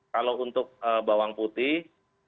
kalau untuk bawang putih